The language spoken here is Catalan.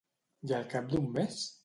I al cap d'un mes?